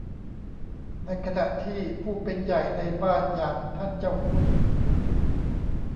ในขณะที่ผู้เป็นใหญ่ในบ้านอย่างท่านเจ้าคุณ